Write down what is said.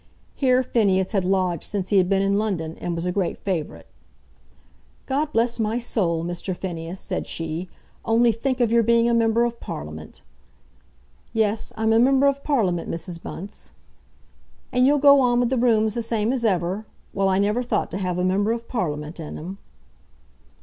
Here Phineas had lodged since he had been in London, and was a great favourite. "God bless my soul, Mr. Phineas," said she, "only think of your being a member of Parliament!" "Yes, I'm a member of Parliament, Mrs. Bunce." "And you'll go on with the rooms the same as ever? Well, I never thought to have a member of Parliament in 'em."